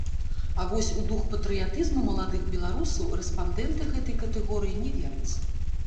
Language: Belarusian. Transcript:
А вось у дух патрыятызму маладых беларусаў рэспандэнты гэтай катэгорыі не вераць.